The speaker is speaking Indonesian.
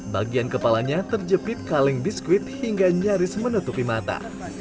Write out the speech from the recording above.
bagian kepalanya terjepit kaleng biskuit hingga nyaris menutupi mata